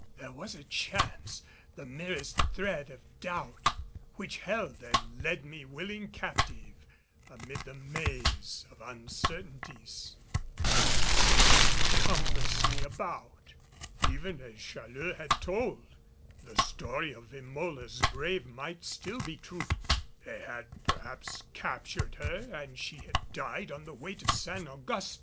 There was a chance the merest thread of doubt which held and led me willing captive amid the maze of uncertainties which seemed to compass me about. Even as Challeux had told, the story of Emola's brave might still be true. They had perhaps captured her and she had died on the way to San Augustin!